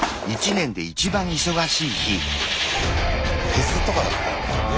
フェスとかだったらもうね。